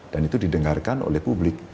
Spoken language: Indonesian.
dan itu didengarkan oleh publik